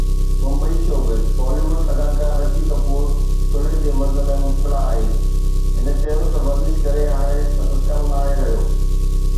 Mumbai (showbiz news) Bollywood اداڪار رشي ڪپور ٿلهي جي مرض ۾ مبتلا آهي، هن چيو آهي ته ورزش ڪرڻ هاڻي سندس ڪم ناهي رهيو.